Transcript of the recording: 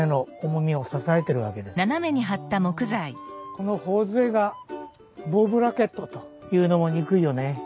この頬杖がボウブラケットというのも憎いよねえ。